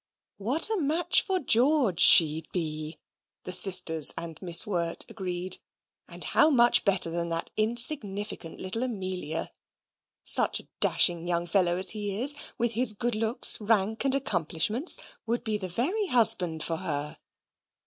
What a match for George she'd be (the sisters and Miss Wirt agreed), and how much better than that insignificant little Amelia! Such a dashing young fellow as he is, with his good looks, rank, and accomplishments, would be the very husband for her.